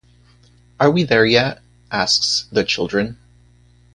"Are we there yet?" asks the children.